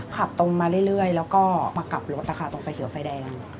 ขับตรงมาเรื่อยแล้วก็มากลับรถนะคะตรงไฟเขียวไฟแดง